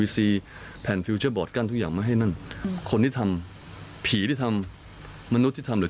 สองคนน่ะ